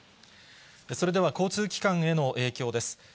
それでは交通機関への影響です。